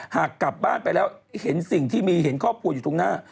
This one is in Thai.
หากกลับบ้านไปแล้วเห็นสิ่งที่มีเห็นครอบครัวอยู่ตรงหน้า